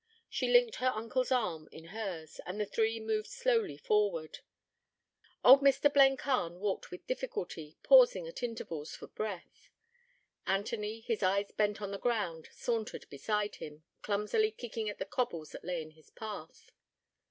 She linked her uncle's arm in hers, and the three moved slowly forward. Old Mr. Blencarn walked with difficulty, pausing at intervals for breath. Anthony, his eyes bent on the ground, sauntered beside him, clumsily kicking at the cobbles that lay in his path.